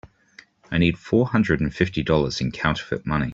I need four hundred and fifty dollars in counterfeit money.